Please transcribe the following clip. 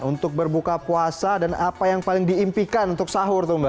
untuk berbuka puasa dan apa yang paling diimpikan untuk sahur tuh mbak